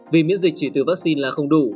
vì miễn dịch chỉ từ vaccine là không đủ